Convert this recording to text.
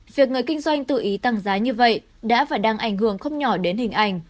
việc người kinh doanh tự ý tăng giá như vậy đã và đang ảnh hưởng không nhỏ đến hình ảnh